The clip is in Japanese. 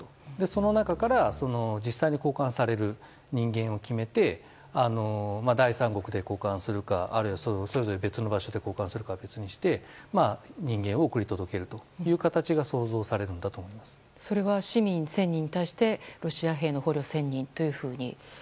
その中から実際に交換される人間を決めて第三国で交換するかあるいは、それぞれ別の場所で交換するかは別にして人間を送り届けるという形がそれは市民１０００人に対してロシア兵の捕虜１０００人というふうに？